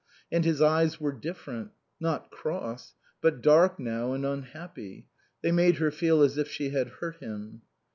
And his eyes were different; not cross, but dark now and unhappy; they made her feel as if she had hurt him.